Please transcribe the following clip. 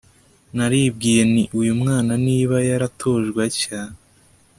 Naribwiye nti uyu mwana niba yaratojwe atya